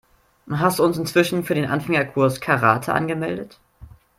Hast du uns inzwischen für den Anfängerkurs Karate angemeldet?